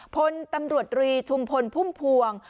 พลตำรวจรีชุมพลพุ่มพวง